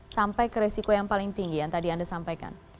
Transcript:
sampai ke resiko yang paling tinggi yang tadi anda sampaikan